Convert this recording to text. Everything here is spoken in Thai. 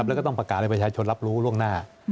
แล้วก็ต้องประกาศให้ประชาชนรับรู้ล่วงหน้า